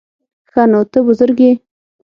_ښه نو، ته بزرګ يې؟